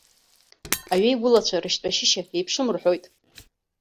Аҩеигәылацәа рышьтәа шьышьа еиԥшым, рҳәоит.